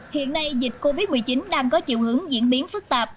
hiện nay dịch covid một mươi chín đang có chiều hướng diễn biến phức tạp